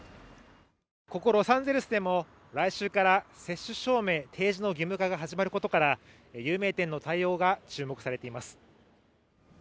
ここロサンゼルスでも来週から接種証明提示の義務化が始まることから有名店の対応が注目されています